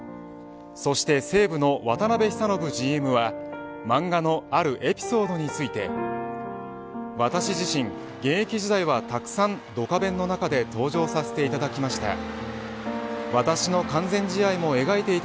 そして西武の渡辺久信ＧＭは漫画のあるエピソードについて私自身、現役時代はあぶさん、ドカベンの中で登場させていただきました。